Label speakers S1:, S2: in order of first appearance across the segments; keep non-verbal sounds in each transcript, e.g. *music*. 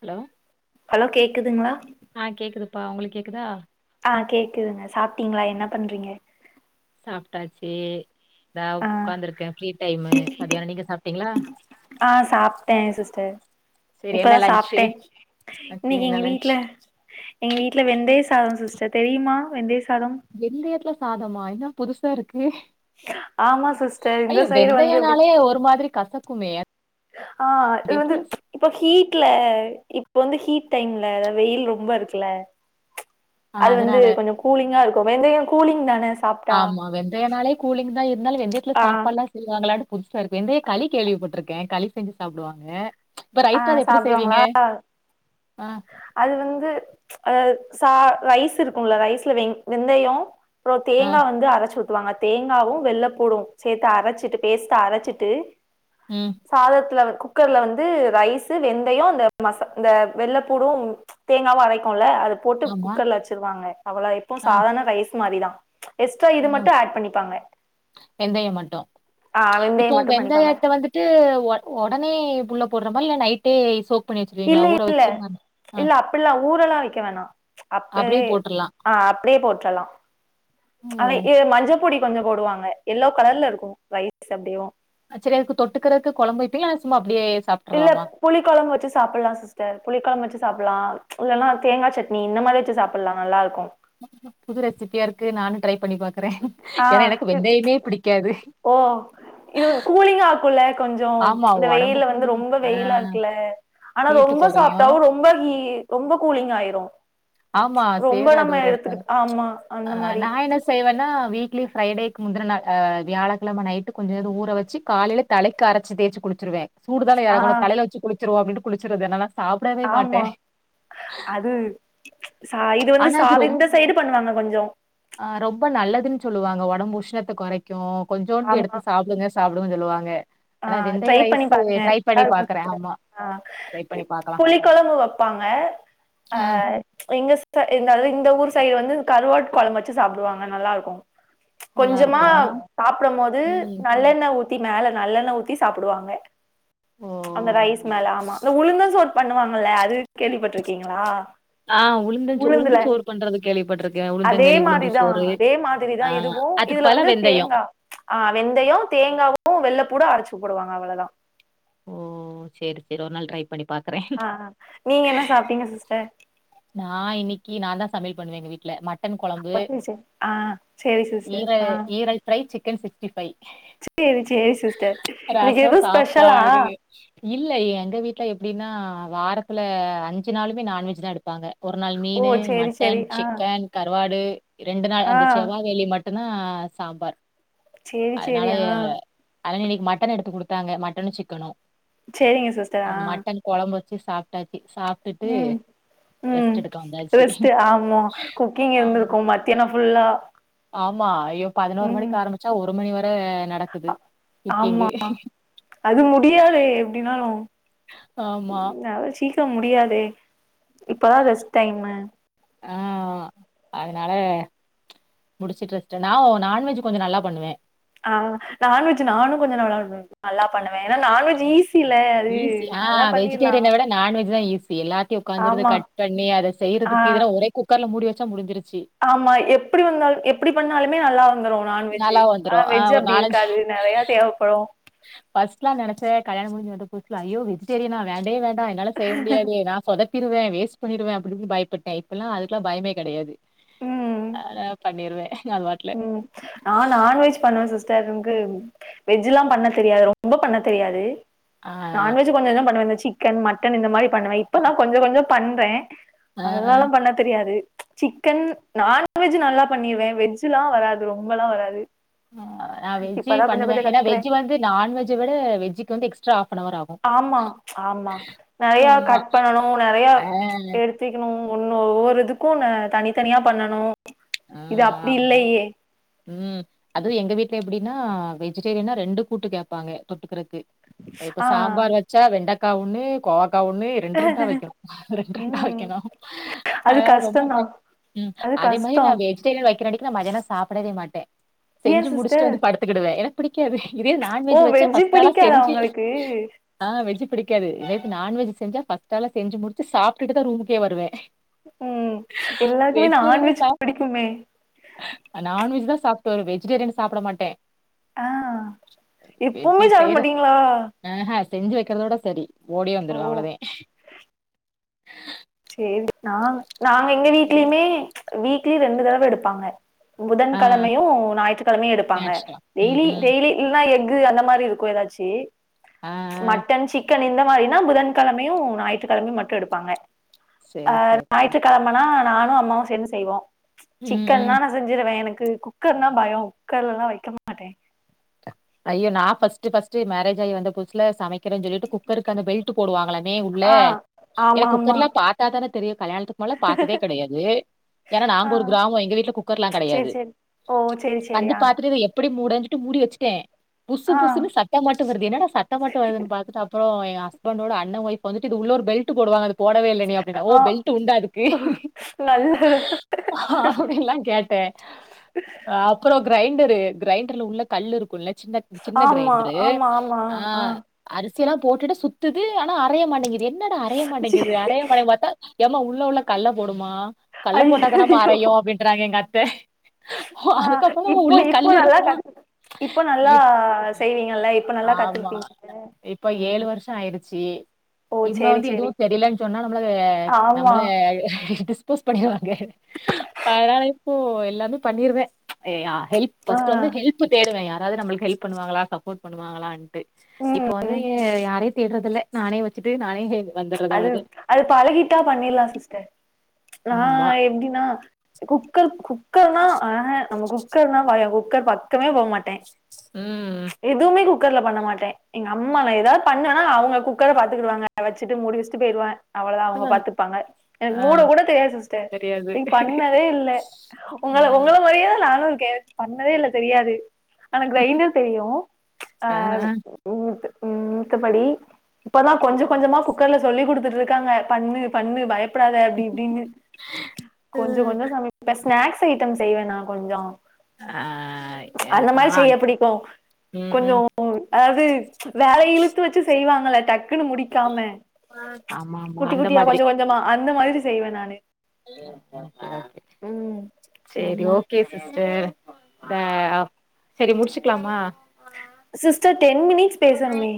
S1: Hello
S2: hello கேட்கதுங்களா
S1: ஆ கேக்குதுப்பா உங்களுக்கு கேக்குதா
S2: ஆ கேக்குதுங்க சாப்ட்டீங்களா என்ன பண்றீங்க
S1: சாப்டாச்சு
S2: ஆ
S1: மதியானோ நீங்க சாப்ட்டீங்களா
S2: ஆ சாப்ட்டே சிஸ்டர்
S1: செரி என்ன
S2: இப்பதா
S1: லன்ச்சு
S2: சாப்ட்டே
S1: ஓகே
S2: இன்னைக்கு
S1: என்ன
S2: எங்க
S1: லன்ச்
S2: வீட்ல எங்க வீட்ல வெந்தய சாதம் சிஸ்டர் தெரியுமா வெந்தய ஸ்
S1: வெந்தயத்துல சாதமா என்ன புதுசா இருக்கு
S2: ஆமா சிஸ்டர் இந்த
S1: ஐய்யோ
S2: சைடு வந்து எப்டி
S1: வெந்தயனாலே ஒரு மாதிரி கசக்குமே
S2: ஆ இது
S1: அது
S2: வந்து
S1: எப்டில
S2: இப்ப ஹீட்ல இப்ப வந்து ஹீட் டைம்ல அதா வெயில் ரொம்ப இருக்குல
S1: ஆ
S2: அது வந்து
S1: அதனால
S2: கொஞ்சோ கூலிங்கா இருக்கு வெந்தயோ கூலிங்க் தான
S1: ஆமா வெந்தயனாலே கூலிங் தா இருந்தாலு வெந்தயத்துல
S2: ஆ
S1: சாப்பாட்லா செய்வாங்களா புதுசாருக்கு வெந்தய களி கேள்விப்பட்டிருக்கே களி செஞ்சு சாப்டுவாங்க இப்ப
S2: ஆ
S1: ரைஸ் அது எப்டி செய்வீங்க
S2: சாப்டுவாங்களா
S1: ஆ
S2: அது வந்து ஆ சா ரைஸ் இருக்கும்ல ரைஸ்ல வெ வெந்தயோ அப்றோ
S1: ஆ
S2: தேங்கா வந்து அரச்சு உத் வாங்க தேங்காவு வெள்ளப்பூடு சேரத்து அரச்சசுட்டு பேஸ்டா அரச்சுட்டு
S1: ம்
S2: சாதத்துல வந் குக்கர்ல வந்து ரைசு வெந்தய இந்த மச இந்த வெள்ள கூடு தேங்காவு அரக்குல அது போட்டு
S1: ஆமா
S2: குக்கர்ல வச்சிருவாங்க அவ்ள எப்போ சாதாரண ரைஸ் மாரிதா எக்ஸ்ட்ரா இது மட்டு ஆட் பண்ணிப்பாங்க
S1: வெந்தய மட்டு
S2: ஆ வெந்தயோ
S1: இப்போ
S2: மட்டு பண்ணிப்பாங்க
S1: வெங்கயத்த வந்துட்டு உ உடனே உள்ள போடுறமா இல்ல நைட்டே சோ பண்ணி வச்ருவீங்களா ஊற வச்சு அ அ
S2: ஊறெலா வக்க வேணா அப்பவே
S1: போட்டுறலாம்.
S2: ஆ அப்டியே போட் தலா
S1: ஓ!
S2: அன இ மஞ்சப் பொடி கொஞ்ச போடுவாங்க எல்லோ கலர்ல இருக்கு ரைஸ் அப்டியேவு
S1: சேரி அதுக்கு தொட்டுக்கிறதுக்கு குழம்பு வைப்பீங்களா சும்மா அப்டியே
S2: இல்ல புளி குழம்பு வச்சு சாப்பிடலா சிஸ்டர் புளி குழம்பு வச்சு சாப் லா ச் இல்லனா தேங்கா சட்னி இந்த மாரி வச்சு சாப்பிடலா நல்லா இருக்கு
S1: புது ரெசிபியா இருக்கு நானு ட்ரைப்
S2: ஆஹ்
S1: பிடிக்காது.
S2: ஓ இது கூலிங் ஆக்குல கொஞ்சம்
S1: ஆமா
S2: இந்த வெயில
S1: ஒடம்புக்கு
S2: வந்து ரொம்ப
S1: ஆ
S2: வெயிலா இருக்குல ஆனா
S1: ஹீட்டு
S2: ரொம்ப
S1: கொறையும்.
S2: சாப்டாவும் ரொம்பஹ ரொம்ப கூலிங் ஆயிரு
S1: ஆமா
S2: ரொம்ப
S1: சேராது
S2: நம்ம
S1: ஒரு ஒருத்தங்
S2: எடுத்துக்கிட்
S1: ச்
S2: ஆமா
S1: ஆ
S2: அந்த மாரி
S1: நா என்ன செய்வனா வீ ட்லி ஃப்ரைடேக்கு முந்தின நாள் அ வியாழக்கிழம நைட்டு கொஞ்சொண்டு ஊற வச்சு காலையில தலைக்கு அரைச்சு தேய்ச்சு குளிச்சிருவே சூடு தான
S2: ஆ
S1: இறங்கணு தலைல வச்சு குளி வச்சுருவோ அப்டின்ட்டு குளிச்சிருது என்னனா
S2: ஆமா அது சா இது வந்து
S1: ஆனா அது ரொம்
S2: சாவிந்த சைடு பண்ணுவாங்க கொஞ்சோ
S1: அ ரொம்ப நல்லதுன்னு சொல்லுவாங்க ஒடம்பு உஷ்ணத்த கொறைகு கொஞ்சோண்டு எடுத்து
S2: ஆமா
S1: சாப்டுங்க சாப்பிடவு சொல்லுவாங்க
S2: ஆ
S1: ஆனா வெந்தய
S2: ட்ரை பண்ணி
S1: ரைஸு
S2: பாருங்க
S1: ட்ரை பண்ணி பார்க்குறேன்.
S2: *unintelligible*
S1: ஆமா.
S2: அ
S1: ட்ரை பண்ணி பார்க்கலாம்.
S2: புளி கொழம்பு வப்பாங்க அ
S1: ஆ
S2: எங்க த இருதாலு இந்த ஊர் சைடு வந்து கருவாட் கொழம்பு வச்சி சாப்டுவாங்க நல்லாருக்கு கொஞ்சமா
S1: நல்லாருக்கும்.
S2: சாப்பிட போது
S1: ம்.
S2: நல்லெண்ண உ த்தி மேல நல்லெண்ண ஊத்தி சாப்பிடுவாங்க
S1: ஓ!
S2: அந்த ரைஸ்
S1: ஓகே.
S2: மேல ஆமா அ உளுந்தும் சொ பண்ணுவாங்கல்ல அது கேள்விப்பட்டட்டுருக்கீங்களா
S1: ஆஹ் உளுந்து உளுந்து சோறு பண்றது கேள்வி
S2: அதே மாதிரிதான் அதே
S1: ஆ
S2: மாதிரிதான் இதுவும்
S1: அதுக்கு
S2: இதுல
S1: பதிலா
S2: வந்து
S1: வெந்தயம்.
S2: தேங்காய் ஆஹ் வெந்தயம் தேங்காவும் வெள்ளை பூட அரைச்சு சுப்படுவாங்க அவ்வளவுதான்
S1: ஓ சேரி சேரி ஒரு நாள் ட்ரை பண்ணி பாக்குறே
S2: ஆஹ் நீங்க என்ன சாப்பிட்டீங்க சிஸ்டர்
S1: நான் இன்னைக்கு நான் தான் சமையல் பண்ணுவேன்ங்க வீட்டுல ம ட்டன்குழம்பு
S2: ஒத்திருச்சு ஆ சேரி சிஸ்டர்.
S1: இங்க
S2: ஆ
S1: ஈரல் தை சிக்க சிக்கன் சிக்ஸ்டி ஃபைவ்
S2: சேரி சேரி சிஸ்டர். இன்னைக்கு
S1: ரசம்
S2: எதுவு ஸ்பெஷலா?
S1: சாப்பாடு இல்ல எங்க வீட்டுல எப்படின்னா வாரத்துல அஞ்சு நாளுுமே நான்வெஜ் தான் எடுப்ப பாங்க ஒரு நாள்
S2: ஓ
S1: மீன்
S2: சேரி சேரி.
S1: மட்டன்
S2: ஆ
S1: சிக்கன் கறுவாடு இரண்டு நாள்
S2: ஆ
S1: அந்த செவ்வா வெள்ளி மட்டும் னா சாம்பார்
S2: சரி சரி அஹ
S1: அதன இன்னைக்கு மட்டன் எடுத்து கொடுத்தாங்க மட்டனும் சிக்கனும்
S2: சரிங்க சிஸ்டர்
S1: சாப்பிட்டா சாப்பிட்டுட்டு
S2: உம் ரெஸ்ட் ஆம குக்கிங்
S1: ஆமா
S2: இருந்திருக்கும் மத்தியானம் புல்லா
S1: ஆமா பதினொரு மணி ஆரம்பிச்சா ஒரு மணி வரை ஹ
S2: ஆமா அது முடியாதே எப்படினாலும்
S1: ஆமா
S2: இருக்க முடியாதே இப்பதான் ரெஸ்ட் டைமு
S1: ஆஹ் அதனால முடிச்சுட்டுச்சேன் நான் நான்வெஜ் கொஞ்சம் நல்லா பண்ணுவேன்
S2: ஆஹ் நான்வெஜ் நானும் கொஞ்சம் ந நல்லா பண்ணுவேன் ஏன்னா நான்வெஜ் ஈஸி
S1: ஈஸி ஆஹ் வெஜிடேரியனை விட நான்வெஜ் தான் ஈசி எல்லாத்தையும் உக்காந்திருந்து
S2: ஆமா
S1: கட் பண்ணி அதை
S2: ஆ
S1: செய்யறதுக்கு இத ஒரே குக்கர்ல முடி வச்ச முடிஞ்சிருது
S2: ஆமா எப்படி வந்தாலும் எப்படி பண்ணாலும் மே நல்லாருக்கு நான்வெஜ்ஜ்
S1: நல்லா
S2: ஆனா
S1: வந்துரும்.
S2: வெஜ் அப்படி இருக்காது நிறைய தேவைப்படும்
S1: பர்ஸ்லாம் நினச்ச கயாண முடிஞ்சி வந்த புசுல ஐயோ வெஜிடேரியனா வேண்டே வேண்ட என்னால செய்ய முடியாது நான் சொதப்பி சொதப்பிடுவேன் வேஸ்ட் பண்ணிடுவேன் அப்படின்னு
S2: உம் நான் நான்வெஜ் பண்ணுவே சிஸ்டர் பெறகு வெஜ்ஜ் எல்லாம் பண்ண தெரியாது ரொம்ப பண்ண தெரியாது
S1: ஆ.
S2: நான்வெஜ் கொஞ்ச கொஞ்சம் பண்ணுவேன்னு வச்சுக்கங்களே சிக்கன் மட்டன் இந்த மாதிரி பண்ணுவன் இப்பதான் கொஞ்ச கொஞ்சம் பண்றே
S1: ஆ. ஆ.
S2: நல்லாலா பண்ண தெரியாது சிக்கன் நான்வெஜ் நல்லா பண்ணிருவேன் வெஜ் லாம் வராது ரொம்பலாம் வராது
S1: ஆஹ் நா வெஜ்ஜு
S2: இப்பதா கொஞ்ச
S1: பண்ணுவேன்
S2: கொஞ்சோ
S1: ஏன்னா
S2: கத்துக்குறே
S1: வெஜ்ஜ வந்து நான்வெஜ்ஜை விட வெஜ்ஜுக்கு வந்து எக்ஸ்ட்ரா ஆவனவர்
S2: ஆமா ஆமா நிறைய
S1: ஆமா.
S2: கட் பண்ணணும் நிறைய
S1: ஆ,
S2: எடுத்துக்கணும் ஒன்னு ஒவ்வொரு இதுக்கும் தனித்தனியா பண்ணனும்
S1: ஆ
S2: இத அப்படி இல்லையே
S1: அது எங்க வீட்டுல அப்படின்னா வெஜிடேரியனா ரெண்டு கூட்டு கேட்பாங்க தொட்டுக்கரதுக்கு இப்ப
S2: ஆ
S1: சாம்பார் வச்சா வெண்டக்க கவுன்னு ஒண்ணு ரெண்டு ரெண்டா வைக்கணும் ரெண்டு ரெண்டா
S2: ம்
S1: வைக்கணும்
S2: அது
S1: அத ரொம்ப
S2: கஷ்டந்தா அது
S1: அதே மாதிரி
S2: கஷ்டோ
S1: நா வெஜ்டேரியன் வக்கிரன்னைக்கு இல நா மதியானோ சாப்டவே மாட்டே
S2: ஏ
S1: செஞ்சு முடிச்சுட்டு
S2: சிஸ்டர்
S1: வந்து படுத்துக்குடுவேன் ஏா இத
S2: ஓ
S1: நான்வெஜ் வச்ச
S2: வெஜ்ஜு
S1: பஸ்டாலா
S2: பிடிக்காதா
S1: செஞ்சு
S2: உங்களுக்கு
S1: ஆ வெஜ் பிடிக்காது இதே நான்வெஜ் செஞ்சா பர்ஸ்ட்டால செஞ்சு முடிச்சு சாப்புட்டுட்டு தா ரூமுக்கே வருவேன்
S2: உம் உம் எல்லாக்குமே நான்வெஜ் புடி
S1: நான் வெஜ்தா சாப்டுவ வெஜிடேரியன் சாப்புட மாட்டேன்
S2: ஆஹ் எப்பவுமே சாப்ட மாட்டீங்களா
S1: செஞ்சி வைக்கிறதோட சரி ஓடியே
S2: ஓ
S1: வந்துருவேன் அவ்ளோதேன்
S2: நா நாங்க எங்க வீட்லயுமே வீக்லி ரெண்டு தடவ எடுப்பாங்க
S1: ஆ
S2: புதன்கிழமையும் ஞாயிற்றுக்கிழமையும் எடுப்பாங்க
S1: நேச்சுரலா ம்
S2: டெய்லி
S1: ம்
S2: டெய்லிலாம் இது அந்த மாரி இருக்கும் ஏதாச்சு
S1: ஆ ஆ
S2: மட்டன் சிக்கன் இந்த மாரினா புதன்கிழமையும் ஞாயிற்றுக்கிழமையும் மட்டும் எடுப்பாங்க
S1: சரி
S2: ஆஹ்
S1: சரி சரி.
S2: ஞாயிற்றுக்கிழமனா நானும் அம்மாவும் சேர்ந்து செய்வோம்
S1: ம்
S2: சிக்கன்னா
S1: ம்.
S2: நா செஞ்சிருவேன் எனக் கு குக்கர்னா பயம் குக்கர்லலாம் வைக்க மாட்டேன்
S1: ஐயோ நா ஃபர்ஸ்ட் ஃபர்ஸ்ட் மேரேஜ் ஆயி வந்த புதுசுல சமை வைக்கிறேன் சொல்லிட்டு குக்கர்க்கான பெல்ட் போடுவாங்களமே உள்ள
S2: ஆ
S1: ஏன்னா
S2: ஆமா ஆமா
S1: குக்கர்லாம் பாத்தா தான தெரியும் கல்யாணத்துக்கு முன்னால பாத்ததே கிடையாது ஏன்னா நாங்க
S2: ஆ
S1: ஒரு கிராமம் எங்க வீட்ல குக்கர்லாம்
S2: சரி
S1: கிடையாது
S2: சரி ஓ சரி சரி
S1: வந்து
S2: ஆ
S1: பாத்துட்டு இத எப்படி மூட *inaudible* மூடி வச்சுட்டேன் புசு
S2: ஆ
S1: புசுன்னு சத்தம் மட்டும் வருது என்னன்னா சத்தம் மட்டும் வருதுன்னு பாத்த அப்புறம் என் ஹஸ்பண்டோட அண்ண வைஃப் வந்துட்டு இது உள்ள ஒரு பெல்ட்டு போடுவாங்க அது போடவே இல்ல நீ அப்டின்டா ஓ
S2: ஆ
S1: பெல்ட் உண்டா
S2: நல்ல
S1: இதுக்கஅப்படின்லாம் கேட்டேன் அப்புறம் கிரைண்டர் ரு கிரைண்டர்ல உள்ள கல்லு இருக்கும் இ சின்ன சின்ன
S2: ஆமா
S1: கிரைண்டரு
S2: ஆமா ஆமா
S1: அ
S2: ஆ
S1: அரி சியலாம் போட்டுட்டு சுத்துது ஆனா அறைய மாட்டேங்கிது என்னடா அறைய
S2: சீ,
S1: மாட்டேங்குது அறையப் பட மாட்டா ஏம்மா உ ள்ள உள்ள கல்ல போ டுமா கல்லப் போட்டாதான்மா அறையும் அப்படின்றாங்க எங்க அ த்த
S2: ஆஹ் இப்போ இப்போ நல்லா க
S1: இருக்குமா
S2: *inaudible* இப்போ ந
S1: இப் ஆமா
S2: கத்துருப்பீங்க
S1: இப்போ ஏழு
S2: ம்.
S1: வருஷம் ஆயிருச்சி
S2: ஓ
S1: இன்ம
S2: சரி
S1: வந்து
S2: சரி
S1: எதுவும் தெரியலன்னு சொன்னா நம்மள
S2: ஆமா
S1: நம்மள டிஸ்போஸ் பண்ணிரு வாங்க பரால இப்போ எல்லாமே பண்ணிருவேன் ஏய்யா ஹெல்ப்
S2: ஆ
S1: பஸ்ட் வந்து ஹெல்ப் தேடுவேன்யா அது நம்ளுக்கு ஹெப் பண்ணுவாங்களா சப்போர்ட் பண்ணுவாங்களான்ட்டு இப்போ வந்து
S2: ம்
S1: யாரை தியேட்டர்து இல்ல நானே வச்சிடி நானே வந்துடுறது
S2: அது
S1: அவ்ளோதா
S2: அது பழகிட்டா பண்ணிடலாம் சிஸ்டர்
S1: ஆமா
S2: நான் எப்படின்னா குக்கர் குக் குக்கர் னா *inaudible* நம்ம குக்கர் நா *unintelligible* குக்கர் பக்கமே போமாட்டேன்
S1: ம்
S2: எதுமே குக் குக்கர்ல பண்ண மாட்டேன் எங்க அம்மா நான் ஏதாவது பண்ணனா அவங் குக்கர பாத்துக்கிடுவாங்க வச்சு சுட்டுமுடிவெஸ்ட்டு போய்ருவேன் அவ்வளதான்
S1: ஆ
S2: அவங்க பாத்துப்பாங்க எனக்கு
S1: ஆ
S2: மூட கூட தெரியாது சிஸ்டர்
S1: தெரியாது
S2: நீ பண்ணதே இல்லை உங்கள
S1: ம்
S2: உங்கள மாரியே நானு இருக் கே பண்ணதே இல்ல தெரியாது ஆனா கிரைண்டர் தெரியு
S1: ஆ
S2: அஹ் ம் மித்தபடி இப்பதான் கொஞ்ச கொஞ்சமா குக் குக்கர்ல சொல்லி கொடுத்துட்டு இருக்காங்க பண்ணு பண்ணு பயப் கூடாத அப்படி இப்படின்னு கொஞ்சோ
S1: ம்.
S2: கொஞ்சோ சமைப்ப இப்ப ஸ்நாக்ஸ் ஐட்டம்ஸ் செய்வேன்னா கொஞ்சோ
S1: ஆ
S2: அந்த
S1: எனக்கு நா
S2: மாரி செய்ய பிடிக்கும்
S1: ம்
S2: கொஞ்சோ
S1: ம்
S2: அதாவது வேலை இழுத்து வச்சு செய்வாங்க *inaudible* க்குன்னு முடிக்காம
S1: ஆமா ஆமா
S2: குட்டி
S1: அந்த
S2: குட்டியா
S1: மாதிரி
S2: கொஞ்ச கொஞ்சமா அந்த மாரி செய்வேன் நானு
S1: *unintelligible*
S2: ம்
S1: சேரி
S2: ஆமா
S1: ஓகே சிஸர் அ சேரி முடிச்சுக்குலாமா
S2: சிஸ்டர் டென் மினிட் பேசணுமே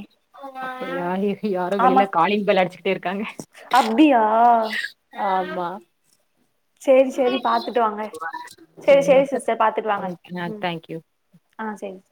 S1: *unintelligible* யாரோ வெளில
S2: ஆமா
S1: காலிங் பெல் அடிச்சுக் இருக்காங்க
S2: அப்டியா
S1: ஆஹ் வா
S2: சேரி சேரி பாத்துட்டு வாங்க சேரி சேரி சிஸ்டர் பாத்துட்டு வாங்க
S1: ஆ
S2: ம்
S1: தேங்க்யூ
S2: ஆஹ் சேரி